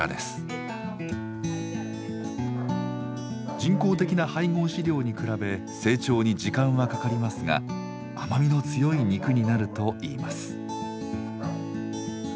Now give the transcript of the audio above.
人工的な配合飼料に比べ成長に時間はかかりますが甘みの強い肉になるといいます。